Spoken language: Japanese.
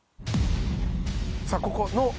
さあここ「の」